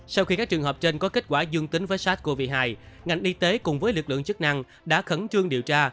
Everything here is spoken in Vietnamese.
sau khi các trường hợp trên có kết quả dương tính với sars cov hai ngành y tế cùng với lực lượng chức năng đã khẩn trương điều tra